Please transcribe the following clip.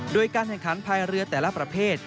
โดยการแข่งขันภายเรือแต่ละประเภท